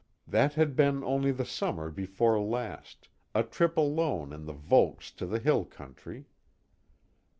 _ That had been only the summer before last, a trip alone in the Volks to the hill country.